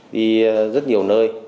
đi rất nhiều nơi